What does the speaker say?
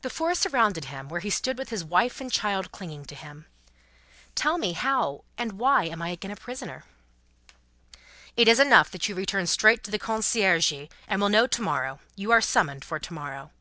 The four surrounded him, where he stood with his wife and child clinging to him. "Tell me how and why am I again a prisoner?" "It is enough that you return straight to the Conciergerie, and will know to morrow. You are summoned for to morrow."